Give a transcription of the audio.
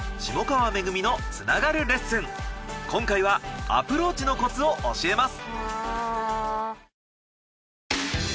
今回はアプローチのコツを教えます。